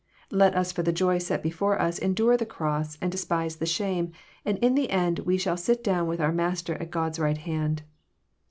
Let us for the joy set before us endure the cross and despise the shame, and in the end we shall sit down with our Master at God's right hand.